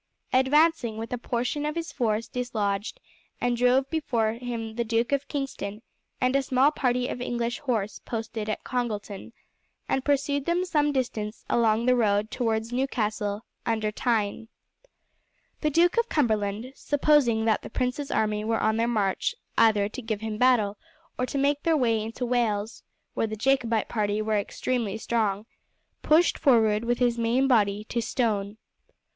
Advancing with a portion of his force he dislodged and drove before him the Duke of Kingston and a small party of English horse posted at Congleton, and pursued them some distance along the road towards Newcastle under Tyne. The Duke of Cumberland, supposing that the prince's army were on their march either to give him battle or to make their way into Wales, where the Jacobite party were extremely strong, pushed forward with his main body to Stone.